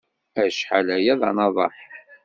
Acḥal aya d anaḍeḥ.